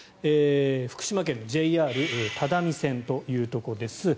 福島県のＪＲ只見線というところです。